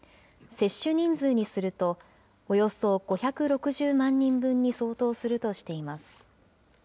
接種人数にするとおよそ５６０万人分に相当するとしています。